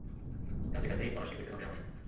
কাজে কাজেই ফরাসী কইতে হবে আমায়।